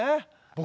僕。